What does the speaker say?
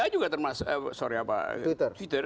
juga termasuk sorry apa twitter